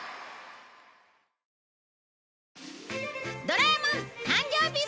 『ドラえもん』誕生日